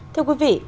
thưa quý vị